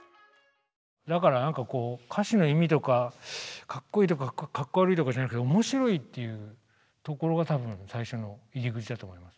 だからなんかこう歌詞の意味とかかっこいいとかかっこ悪いとかじゃなくて面白いっていうところが多分最初の入り口だと思います。